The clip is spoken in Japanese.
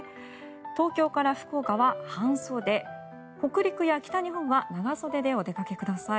東京から福岡は半袖北陸や北日本は長袖でお出かけください。